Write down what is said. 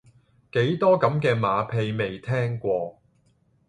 幾多咁嘅馬屁未聽過